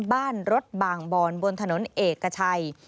บ้านรถบางบอนบนถนนเอกชัย